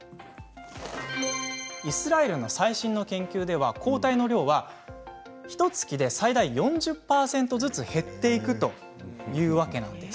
イスラエルの最新の研究では抗体の量はひとつきで最大４０％ずつ減っていくというわけなんです。